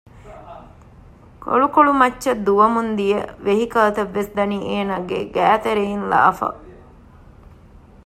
ކޮޅުކޮޅު މައްޗަށް ދުއްވަމުންދިޔަ ވެހިކަލްތައްވެސް ދަނީ އޭނާގެ ގައިތެރެއިން ލާފަ